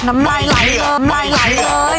ไม่เชื่อไม่เชื่อ